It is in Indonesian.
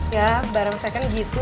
ya bareng second gitu